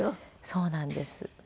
そうなんです。